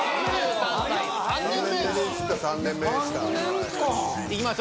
３年目でした。